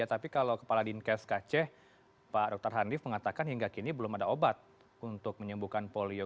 tapi kalau kepala dinkes kc pak dr handif mengatakan hingga kini belum ada obat untuk menyembuhkan polio